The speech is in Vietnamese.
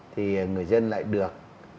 thì người dân lại được